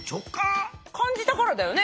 感じたからだよね？